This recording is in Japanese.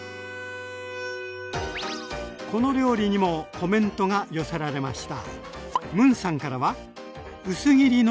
この料理にもコメントが寄せられました。